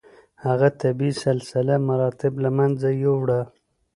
هغه طبیعي سلسله مراتب له منځه یووړه.